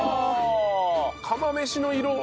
釜飯の色！